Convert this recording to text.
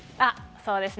そうですね！